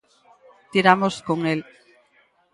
Tiramos con el.